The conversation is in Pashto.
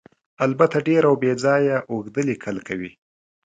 البته ډېر او بې ځایه اوږده لیکل کوي.